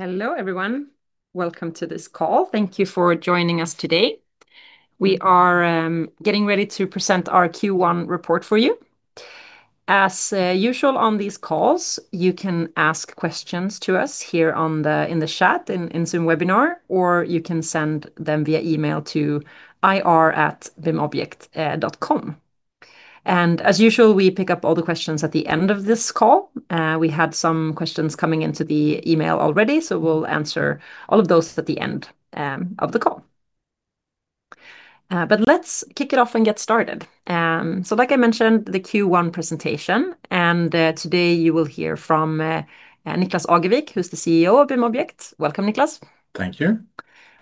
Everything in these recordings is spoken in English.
Hello, everyone. Welcome to this call. Thank you for joining us today. We are getting ready to present our Q1 report for you. As usual on these calls, you can ask questions to us here in the chat in Zoom webinar, or you can send them via email to ir@bimobject.com. As usual, we pick up all the questions at the end of this call. We had some questions coming into the email already, we'll answer all of those at the end of the call. Let's kick it off and get started. Like I mentioned, the Q1 presentation, today you will hear from Niklas Agevik, who's the CEO of BIMobject. Welcome, Niklas. Thank you.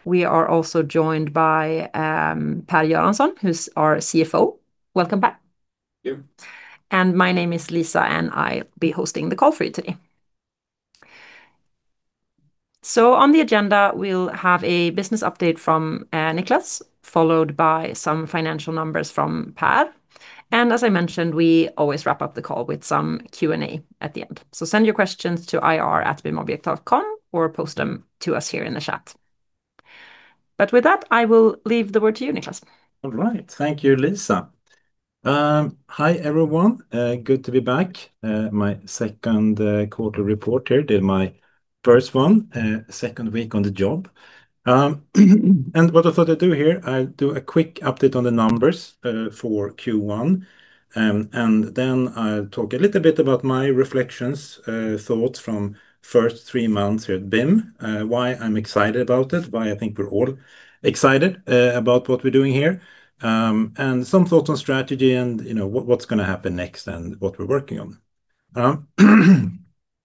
We are also joined by Per Göransson, who's our CFO. Welcome, Per. Thank you. My name is Lisa, and I'll be hosting the call for you today. On the agenda, we'll have a business update from Niklas, followed by some financial numbers from Per. As I mentioned, we always wrap up the call with some Q&A at the end. Send your questions to ir@bimobject.com or post them to us here in the chat. With that, I will leave the word to you, Niklas. All right. Thank you, Lisa. Hi, everyone. Good to be back. My second quarterly report here. Did my first one, second week on the job. What I thought I'd do here, I'll do a quick update on the numbers for Q1. Then I'll talk a little bit about my reflections, thoughts from first three months here at BIM, why I'm excited about it, why I think we're all excited about what we're doing here, and some thoughts on strategy and, you know, what's gonna happen next and what we're working on.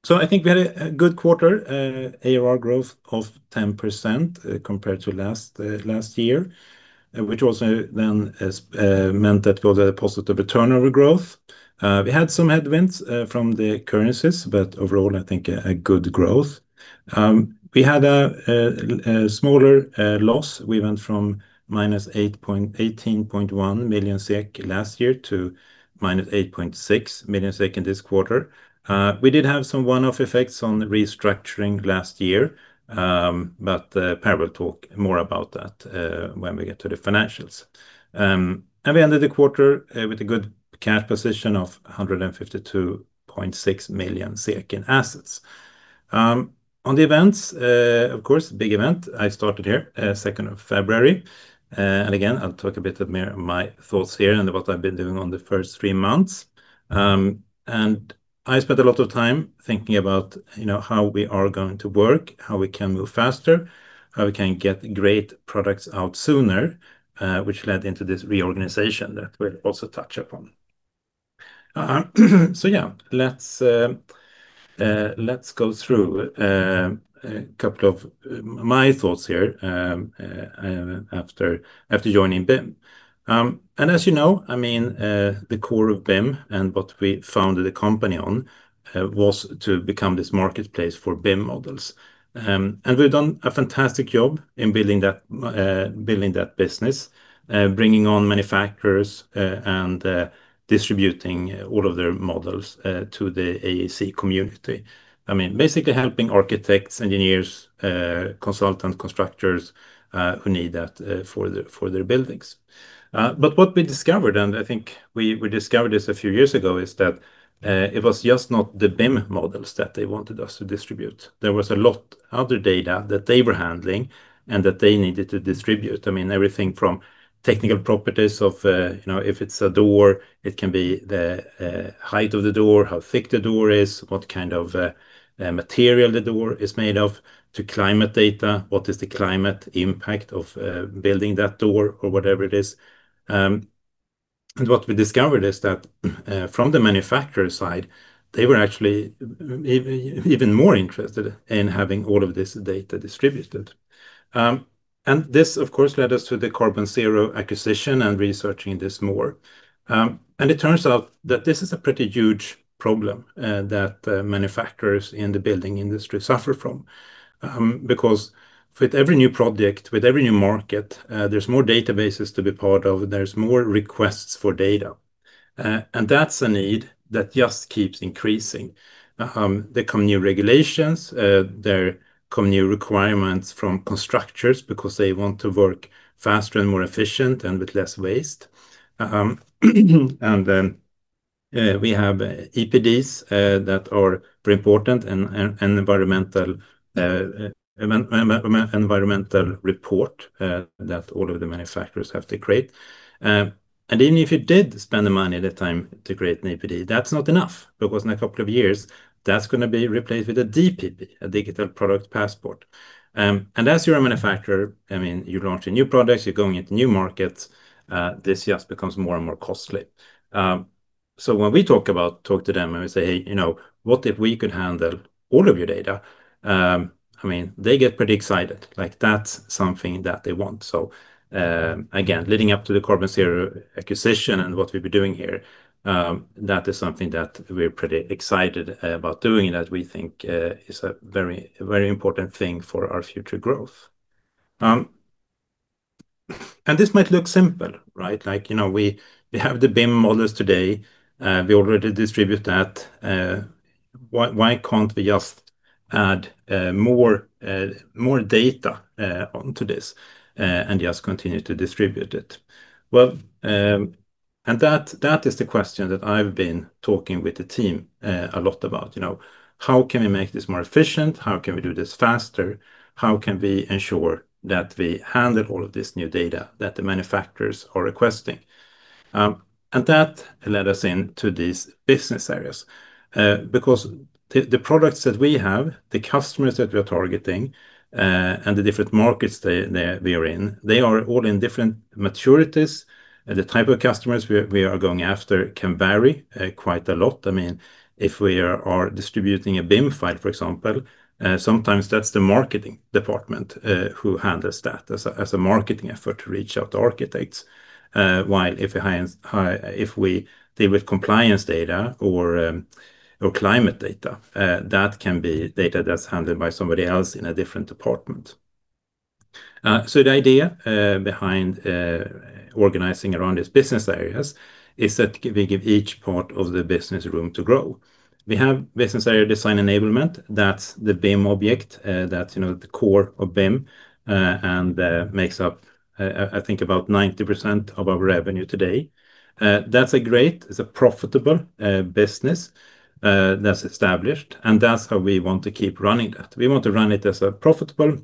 So I think we had a good quarter. ARR growth of 10%, compared to last year, which also then has meant that we had a positive return over growth. We had some headwinds from the currencies, but overall, I think a good growth. We had a smaller loss. We went from -18.1 million SEK last year to -8.6 million SEK in this quarter. We did have some one-off effects on the restructuring last year, but Per will talk more about that when we get to the financials. We ended the quarter with a good cash position of 152.6 million in assets. On the events, of course, big event, I started here 2nd of February. Again, I'll talk a bit of my thoughts here and what I've been doing on the first three months. I spent a lot of time thinking about, you know, how we are going to work, how we can move faster, how we can get great products out sooner, which led into this reorganization that we'll also touch upon. Let's go through a couple of my thoughts here after joining BIM. As you know, I mean, the core of BIM and what we founded the company on was to become this marketplace for BIM models. We've done a fantastic job in building that business, bringing on manufacturers, and distributing all of their models to the AEC community. I mean, basically helping architects, engineers, consultants, constructors, who need that for their buildings. What we discovered, and I think we discovered this a few years ago, is that it was just not the BIM models that they wanted us to distribute. There was a lot other data that they were handling and that they needed to distribute. I mean, everything from technical properties of, you know, if it's a door, it can be the height of the door, how thick the door is, what kind of material the door is made of, to climate data, what is the climate impact of building that door or whatever it is. What we discovered is that from the manufacturer side, they were actually even more interested in having all of this data distributed. This, of course, led us to the CarbonZero acquisition and researching this more. It turns out that this is a pretty huge problem that manufacturers in the building industry suffer from. Because with every new project, with every new market, there's more databases to be part of. There's more requests for data. That's a need that just keeps increasing. There come new regulations, there come new requirements from constructors because they want to work faster and more efficient and with less waste. Then, we have EPDs that are very important and environmental report that all of the manufacturers have to create. Even if you did spend the money and the time to create an EPD, that's not enough. Because in a couple of years, that's gonna be replaced with a DPP, a Digital Product Passport. As you're a manufacturer, I mean, you're launching new products, you're going into new markets, this just becomes more and more costly. When we talk to them and we say, "Hey, you know, what if we could handle all of your data?" I mean, they get pretty excited. Like, that's something that they want. Again, leading up to the CarbonZero acquisition and what we've been doing here, that is something that we're pretty excited about doing, that we think is a very, very important thing for our future growth. This might look simple, right? Like, you know, we have the BIM models today. We already distribute that. Why can't we just add more, more data onto this and just continue to distribute it? Well, that is the question that I've been talking with the team a lot about. You know, how can we make this more efficient? How can we do this faster? How can we ensure that we handle all of this new data that the manufacturers are requesting? That led us into these business areas because the products that we have, the customers that we are targeting, and the different markets we are in, they are all in different maturities. The type of customers we are going after can vary quite a lot. I mean, if we are distributing a BIM file, for example, sometimes that's the marketing department who handles that as a marketing effort to reach out to architects. While if we deal with compliance data or climate data, that can be data that's handled by somebody else in a different department. The idea behind organizing around these business areas is that we give each part of the business room to grow. We have business area Design Enablement. That's the BIMobject. That's, you know, the core of BIM, and makes up, I think about 90% of our revenue today. It's a profitable business that's established, and that's how we want to keep running that. We want to run it as a profitable,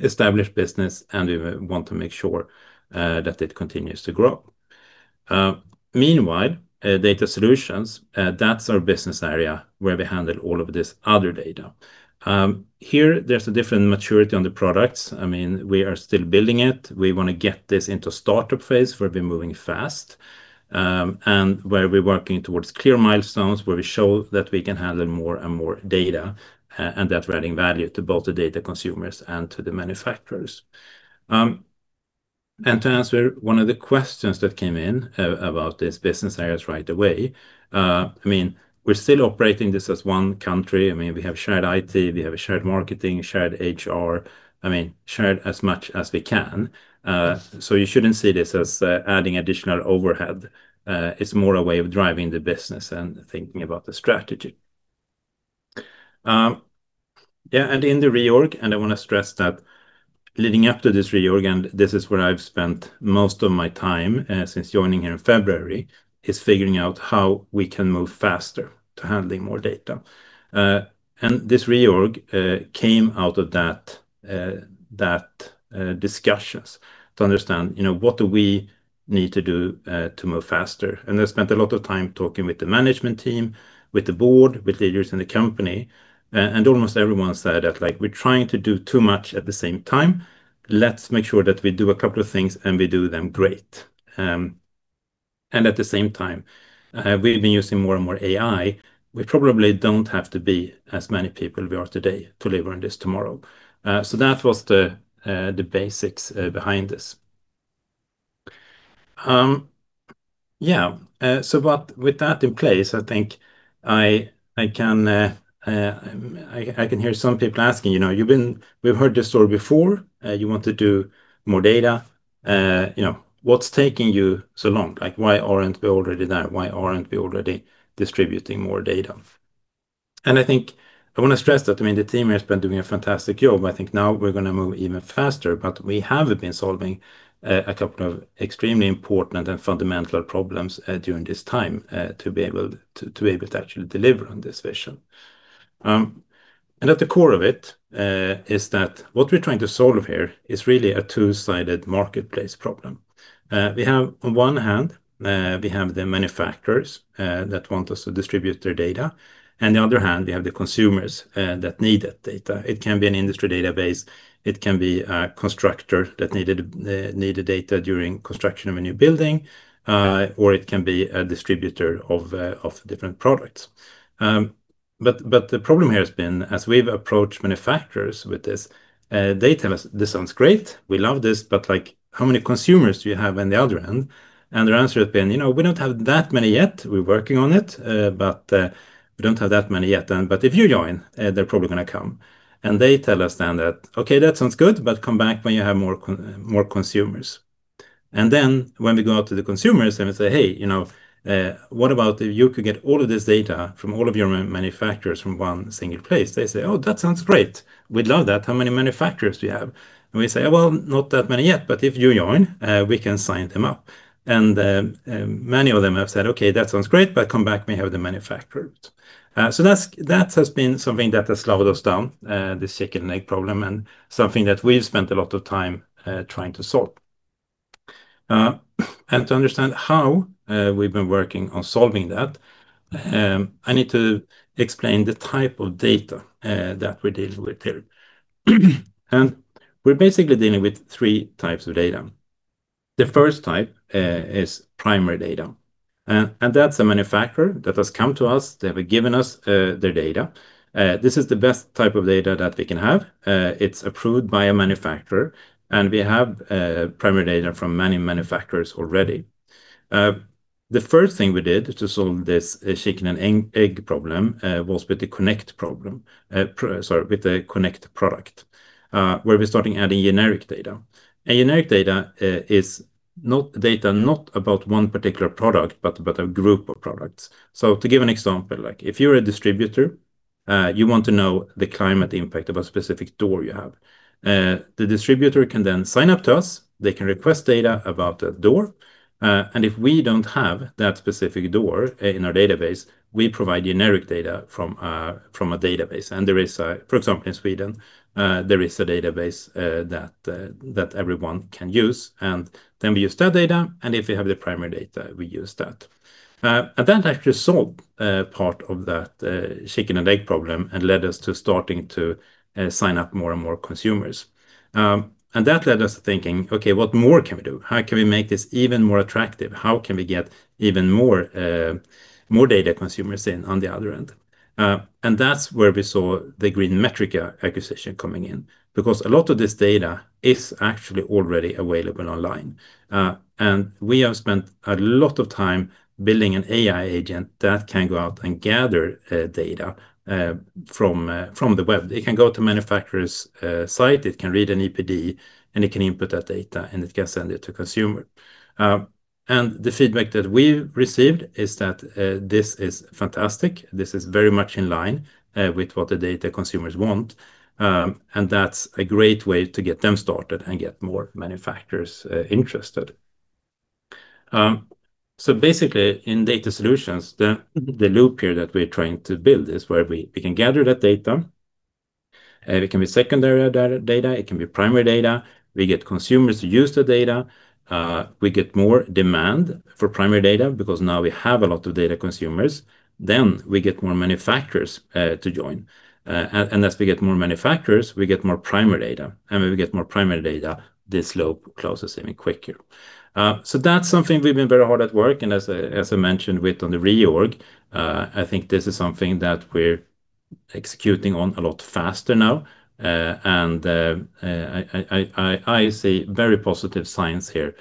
established business, and we want to make sure that it continues to grow. Meanwhile, Data Solutions, that's our business area where we handle all of this other data. Here there's a different maturity on the products. I mean, we are still building it. We wanna get this into startup phase, where we're moving fast, and where we're working towards clear milestones, where we show that we can handle more and more data, and that we're adding value to both the data consumers and to the manufacturers. To answer one of the questions that came in about this business areas right away, I mean, we're still operating this as one country. I mean, we have shared IT, we have a shared marketing, shared HR. I mean, shared as much as we can. You shouldn't see this as adding additional overhead. It's more a way of driving the business and thinking about the strategy. Yeah, in the reorg, and I wanna stress that leading up to this reorg, and this is where I've spent most of my time, since joining here in February, is figuring out how we can move faster to handling more data. This reorg came out of that discussions to understand, you know, what do we need to do to move faster. I spent a lot of time talking with the management team, with the board, with leaders in the company, and almost everyone said that, like, "We're trying to do too much at the same time. Let's make sure that we do a couple of things and we do them great. At the same time, we've been using more and more AI. We probably don't have to be as many people we are today to deliver on this tomorrow. That was the basics behind this. Yeah. With that in place, I think I can, I can hear some people asking, you know, "We've heard this story before. You want to do more data. You know, what's taking you so long? Like, why aren't we already there? Why aren't we already distributing more data?" I think I wanna stress that, I mean, the team here has been doing a fantastic job. I think now we're gonna move even faster. we have been solving two extremely important and fundamental problems during this time to be able to actually deliver on this vision. At the core of it is that what we're trying to solve here is really a two-sided marketplace problem. We have, on one hand, we have the manufacturers that want us to distribute their data. On the other hand, we have the consumers that need that data. It can be an industry database, it can be a constructor that needed data during construction of a new building, or it can be a distributor of different products. The problem here has been, as we've approached manufacturers with this, they tell us, "This sounds great. We love this," but, like, "How many consumers do you have on the other end?" Their answer has been, "You know, we don't have that many yet. We're working on it. We don't have that many yet. If you join, they're probably gonna come." They tell us then that, "Okay, that sounds good, but come back when you have more consumers." When we go out to the consumers and we say, "Hey, you know, what about if you could get all of this data from all of your manufacturers from one single place?" They say, "Oh, that sounds great. We'd love that. How many manufacturers do you have?" We say, "Well, not that many yet, but if you join, we can sign them up." Many of them have said, "Okay, that sounds great, but come back when you have the manufacturers." That has been something that has slowed us down, this chicken and egg problem, and something that we've spent a lot of time trying to solve. To understand how we've been working on solving that, I need to explain the type of data that we deal with here. We're basically dealing with three types of data. The first type is primary data. That's a manufacturer that has come to us. They have given us their data. This is the best type of data that we can have. It's approved by a manufacturer, and we have primary data from many manufacturers already. The first thing we did to solve this chicken and egg problem was with the Connect product, where we're starting adding generic data. Generic data is not data not about one particular product, but a group of products. To give an example, like if you're a distributor, you want to know the climate impact of a specific door you have. The distributor can then sign up to us. They can request data about that door. If we don't have that specific door in our database, we provide generic data from a database. There is, for example, in Sweden, there is a database that everyone can use, then we use that data, and if we have the primary data, we use that. That actually solved part of that chicken and egg problem and led us to starting to sign up more and more consumers. That led us to thinking, "Okay, what more can we do? How can we make this even more attractive? How can we get even more data consumers in on the other end?" That's where we saw the GreenMetrics acquisition coming in because a lot of this data is actually already available online. We have spent a lot of time building an AI agent that can go out and gather data from the web. It can go to manufacturer's site, it can read an EPD, it can input that data, it can send it to consumer. The feedback that we've received is that this is fantastic. This is very much in line with what the data consumers want. That's a great way to get them started and get more manufacturers interested. Basically in Data Solutions, the loop here that we're trying to build is where we can gather that data. It can be secondary data, it can be primary data. We get consumers to use the data. We get more demand for primary data because now we have a lot of data consumers. We get more manufacturers to join. As we get more manufacturers, we get more primary data. When we get more primary data, this loop closes even quicker. That's something we've been very hard at work, and as I mentioned with on the reorg, I think this is something that we're executing on a lot faster now. I see very positive signs here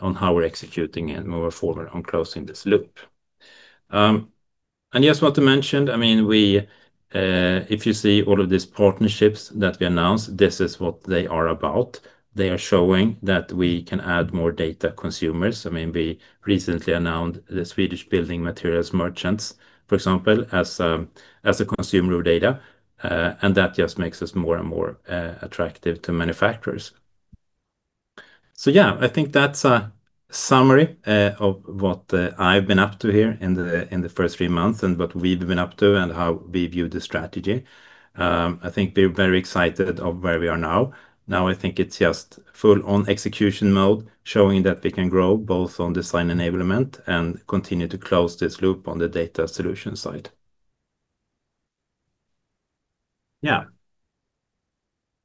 on how we're executing it and move forward on closing this loop. Just want to mention, I mean, we, if you see all of these partnerships that we announced, this is what they are about. They are showing that we can add more data consumers. I mean, we recently announced the Swedish building materials merchants, for example, as a consumer of data, and that just makes us more and more attractive to manufacturers. I think that's a summary of what I've been up to here in the first three months and what we've been up to and how we view the strategy. I think we're very excited of where we are now. Now, I think it's just full on execution mode, showing that we can grow both on Design Enablement and continue to close this loop on the Data Solutions side.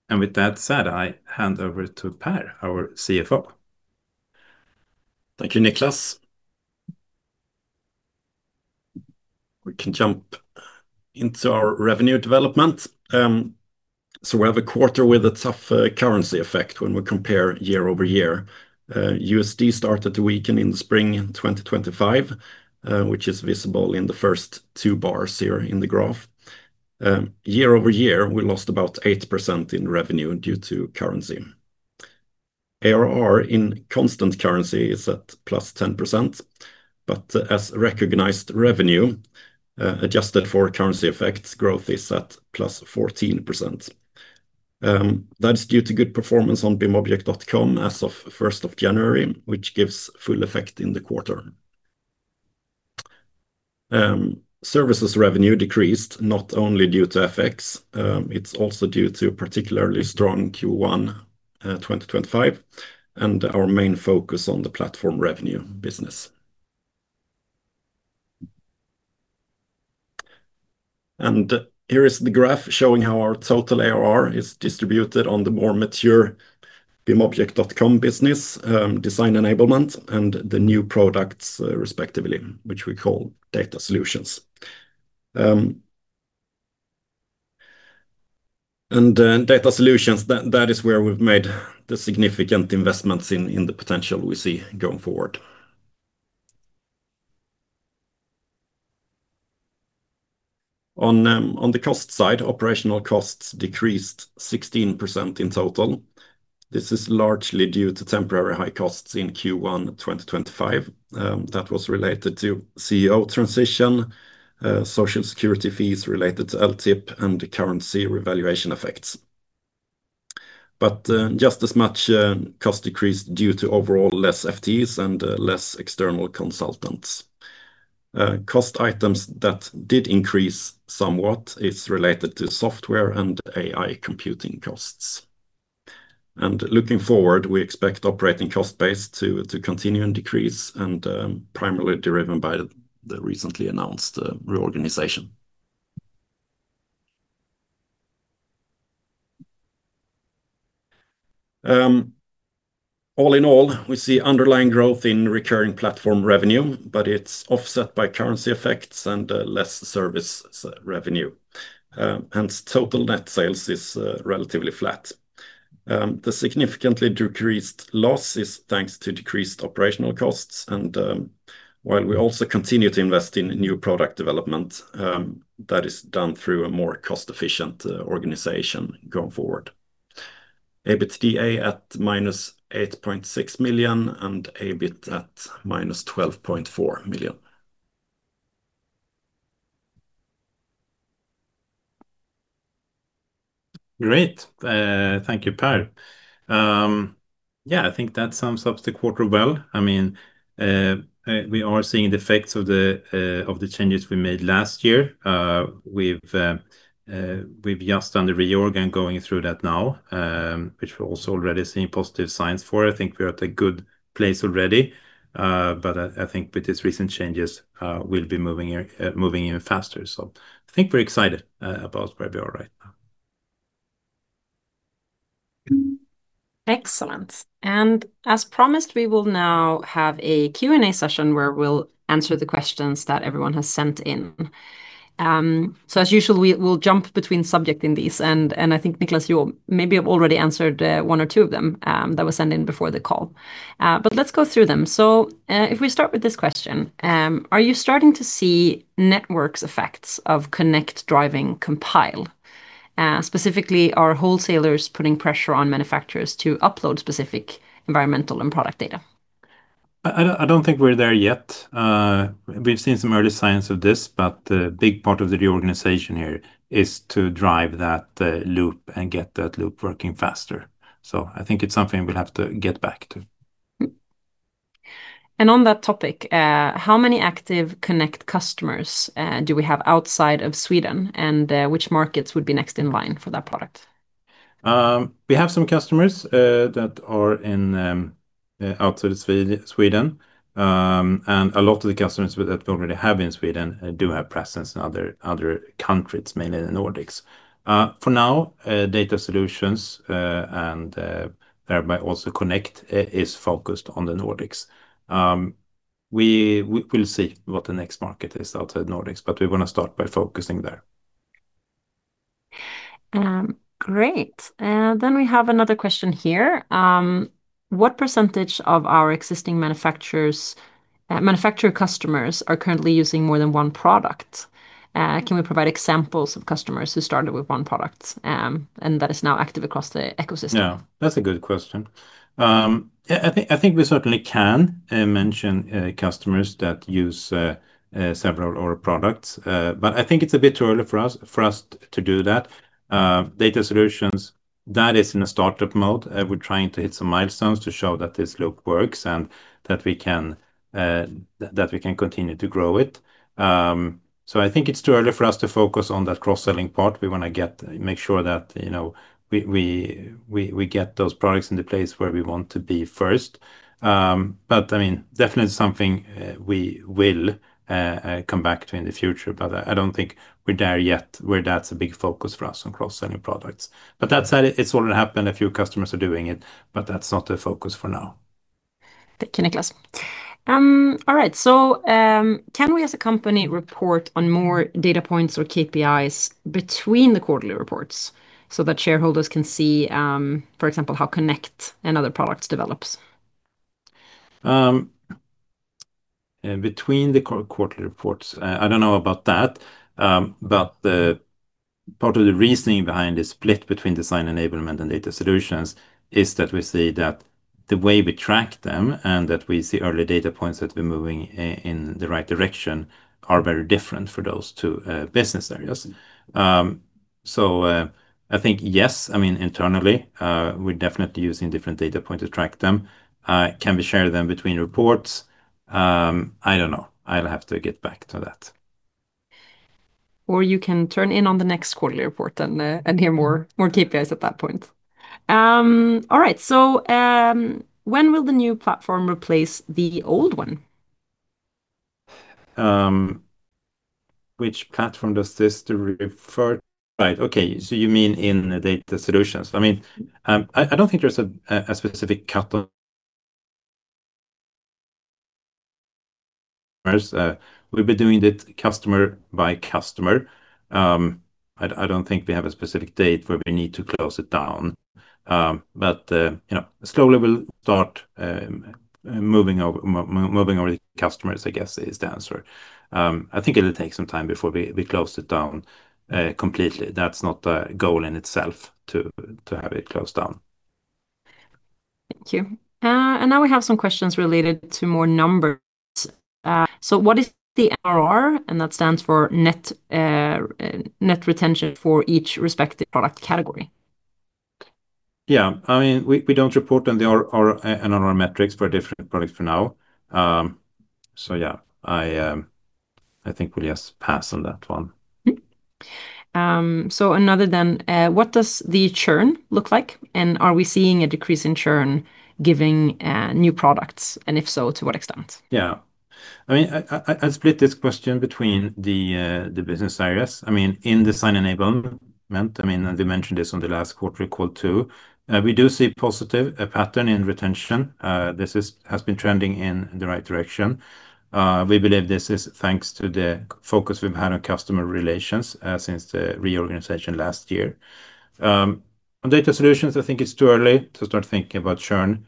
With that said, I hand over to Per, our CFO. Thank you, Niklas. We can jump into our revenue development. We have a quarter with a tough currency effect when we compare year-over-year. USD started to weaken in the spring in 2025, which is visible in the first two bars here in the graph. Year-over-year, we lost about 8% in revenue due to currency. ARR in constant currency is at +10%, as recognized revenue, adjusted for currency effects, growth is at +14%. That's due to good performance on bimobject.com as of 1st of January, which gives full effect in the quarter. Services revenue decreased not only due to FX, it's also due to particularly strong Q1 2025, our main focus on the platform revenue business. Here is the graph showing how our total ARR is distributed on the more mature bimobject.com business, Design Enablement, and the new products, respectively, which we call Data Solutions. Data Solutions, that is where we've made the significant investments in the potential we see going forward. On the cost side, operational costs decreased 16% in total. This is largely due to temporary high costs in Q1 2025 that was related to CEO transition, social security fees related to LTIP, and currency revaluation effects. Just as much, cost decreased due to overall less FTEs and less external consultants. Cost items that did increase somewhat is related to software and AI computing costs. Looking forward, we expect operating cost base to continue and decrease, primarily driven by the recently announced reorganization. All in all, we see underlying growth in recurring platform revenue, it's offset by currency effects and less service revenue. Hence total net sales is relatively flat. The significantly decreased losses thanks to decreased operational costs and while we also continue to invest in new product development, that is done through a more cost-efficient organization going forward. EBITDA at -8.6 million and EBIT at -12.4 million. Great. Thank you, Per. Yeah, I think that sums up the quarter well. I mean, we are seeing the effects of the changes we made last year. We've just done the reorg and going through that now, which we're also already seeing positive signs for. I think we're at a good place already. I think with these recent changes, we'll be moving even faster. I think we're excited about where we are right now. Excellent. As promised, we will now have a Q&A session where we'll answer the questions that everyone has sent in. As usual, we'll jump between subject in these, and I think Niklas, you maybe have already answered one or two of them that were sent in before the call. Let's go through them. If we start with this question, are you starting to see network effects of Connect driving Prodikt? Specifically, are wholesalers putting pressure on manufacturers to upload specific environmental and product data? I don't think we're there yet. We've seen some early signs of this, but a big part of the reorganization here is to drive that loop and get that loop working faster. I think it's something we'll have to get back to. On that topic, how many active Connect customers do we have outside of Sweden? Which markets would be next in line for that product? We have some customers that are outside of Sweden. A lot of the customers we that we already have in Sweden do have presence in other countries, mainly the Nordics. For now, Data Solutions and thereby also Connect is focused on the Nordics. We'll see what the next market is outside Nordics, but we wanna start by focusing there. Great. We have another question here. What percentage of our existing manufacturers, manufacturer customers are currently using more than one product? Can we provide examples of customers who started with one product, and that is now active across the ecosystem? Yeah, that's a good question. I think we certainly can mention customers that use several of our products. I think it's a bit too early for us to do that. Data Solutions, that is in a startup mode. We're trying to hit some milestones to show that this loop works and that we can continue to grow it. I think it's too early for us to focus on that cross-selling part. We wanna make sure that, you know, we get those products in the place where we want to be first. I mean, definitely something we will come back to in the future. I don't think we're there yet, where that's a big focus for us on cross-selling products. That said, it's already happened. A few customers are doing it, but that's not the focus for now. Thank you, Niklas. All right. Can we as a company report on more data points or KPIs between the quarterly reports so that shareholders can see, for example, how Connect and other products develops? Between the quarterly reports, I don't know about that. The part of the reasoning behind the split between Design Enablement and Data Solutions is that we see that the way we track them and that we see early data points that we're moving in the right direction are very different for those two business areas. I think yes. I mean, internally, we're definitely using different data point to track them. Can we share them between reports? I don't know. I'll have to get back to that. You can tune in on the next quarterly report and hear more KPIs at that point. All right. When will the new platform replace the old one? Which platform does this refer. Right. You mean in Data Solutions. I mean, I don't think there's a specific cut on. We've been doing it customer by customer. I don't think we have a specific date where we need to close it down. You know, slowly we'll start moving over customers, I guess, is the answer. I think it'll take some time before we close it down completely. That's not the goal in itself to have it closed down. Thank you. Now we have some questions related to more numbers. What is the NRR, and that stands for net retention for each respective product category? Yeah. I mean, we don't report on the NRR metrics for different products for now. Yeah. I think we'll just pass on that one. Another, what does the churn look like? Are we seeing a decrease in churn giving new products? If so, to what extent? Yeah. I mean, I split this question between the business areas. I mean, in Design Enablement. I mean, we mentioned this on the last quarterly call, too. We do see positive pattern in retention. This has been trending in the right direction. We believe this is thanks to the focus we've had on customer relations since the reorganization last year. On Data Solutions, I think it's too early to start thinking about churn,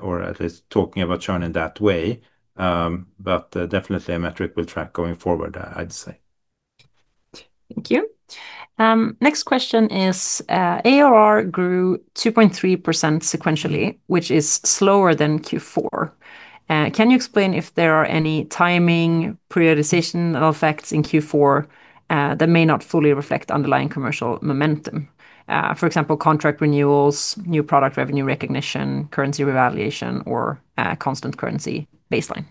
or at least talking about churn in that way. Definitely a metric we'll track going forward, I'd say. Thank you. Next question is, ARR grew 2.3% sequentially, which is slower than Q4. Can you explain if there are any timing periodization effects in Q4 that may not fully reflect underlying commercial momentum? For example, contract renewals, new product revenue recognition, currency revaluation, or constant currency baseline.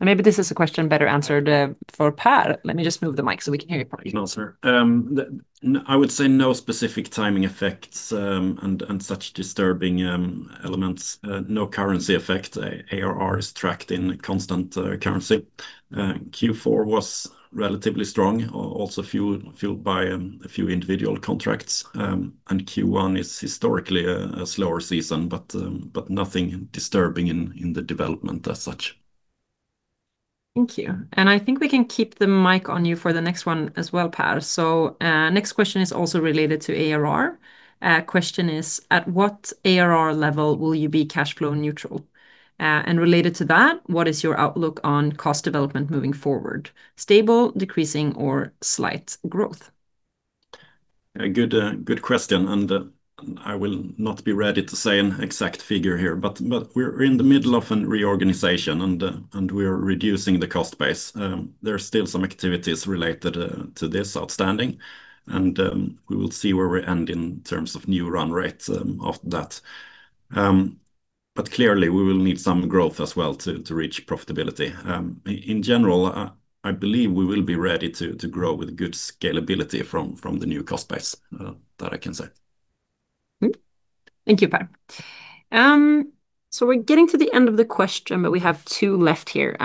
Maybe this is a question better answered for Per. Let me just move the mic so we can hear you, Per. No, sir. I would say no specific timing effects, and such disturbing elements. No currency effect. ARR is tracked in constant currency. Q4 was relatively strong, also fueled by a few individual contracts. Q1 is historically a slower season, but nothing disturbing in the development as such. Thank you. I think we can keep the mic on you for the next one as well, Per. Next question is also related to ARR. Question is, at what ARR level will you be cash flow neutral? Related to that, what is your outlook on cost development moving forward? Stable, decreasing, or slight growth? A good question. I will not be ready to say an exact figure here. We're in the middle of a reorganization, and we're reducing the cost base. There are still some activities related to this outstanding, and we will see where we end in terms of new run rates of that. Clearly, we will need some growth as well to reach profitability. In general, I believe we will be ready to grow with good scalability from the new cost base that I can say. Thank you, Per. We're getting to the end of the question, but we have two left here.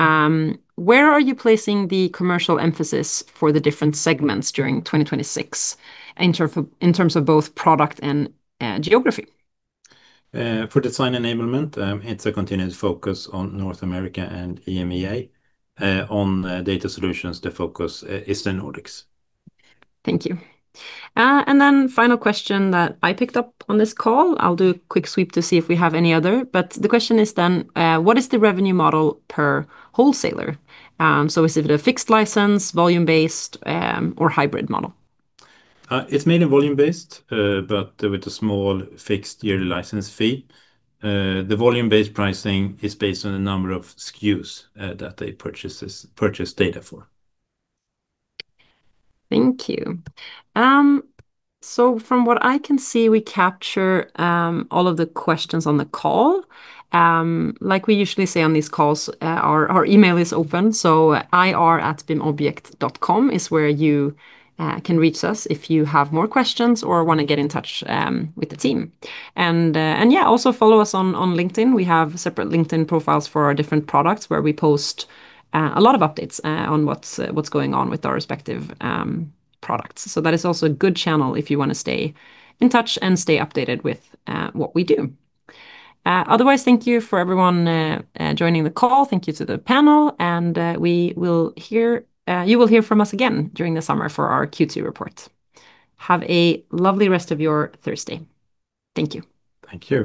Where are you placing the commercial emphasis for the different segments during 2026 in terms of both product and geography? For Design Enablement, it's a continuous focus on North America and EMEA. On Data Solutions, the focus is the Nordics. Thank you. Final question that I picked up on this call. I'll do a quick sweep to see if we have any other. The question is then, what is the revenue model per wholesaler? Is it a fixed license, volume-based, or hybrid model? It's mainly volume-based, but with a small fixed yearly license fee. The volume-based pricing is based on the number of SKUs that they purchase data for. Thank you. From what I can see, we capture all of the questions on the call. Like we usually say on these calls, our email is open, ir@bimobject.com is where you can reach us if you have more questions or wanna get in touch with the team. Yeah, also follow us on LinkedIn. We have separate LinkedIn profiles for our different products, where we post a lot of updates on what's going on with our respective products. That is also a good channel if you wanna stay in touch and stay updated with what we do. Otherwise, thank you for everyone joining the call. Thank you to the panel, and you will hear from us again during the summer for our Q2 report. Have a lovely rest of your Thursday. Thank you Thank you